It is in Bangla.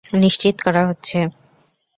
নিশ্চিত করা হচ্ছে।